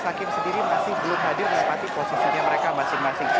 hakim sendiri masih belum hadir menempati posisinya mereka masing masing